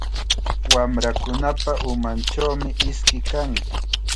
Wamrakunapa umanchawmi iski kan.